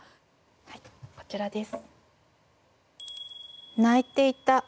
はいこちらです。